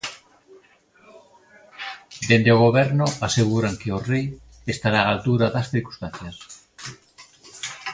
Dende o Goberno aseguran que o Rei estará á altura das circunstancias.